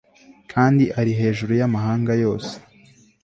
kandi ari hejuru y'amahanga yose